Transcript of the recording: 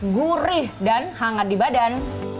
gurih dan hangat di badan